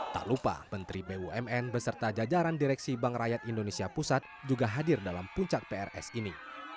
tak lupa menteri bumn beserta jajaran direksi bank rakyat indonesia pusat juga hadir dalam puncak prs ini